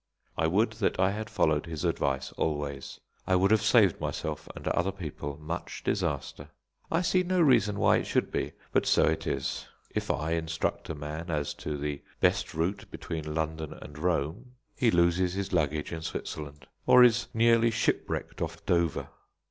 I would that I had followed his advice always; I would have saved myself and other people much disaster. I see no reason why it should be, but so it is. If I instruct a man as to the best route between London and Rome, he loses his luggage in Switzerland, or is nearly shipwrecked off Dover.